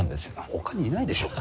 他にいないでしょ。